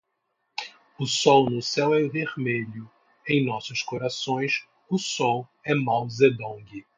O sol no céu é vermelho, em nossos corações, o sol é Mao Zedong